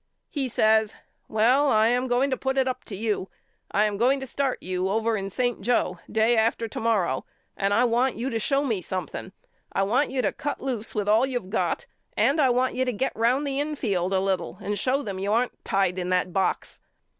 He says Well I am going to put it up to you. I am going to start you over in St. Joe day after 30 YOU KNOW ME AL to morrow and I want you to show me something. I want you to cut loose with all youVe got and I want you to get round the infield a little and show them you aren't tied in that box.